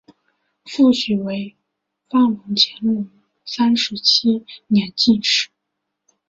父许学范为乾隆三十七年进士。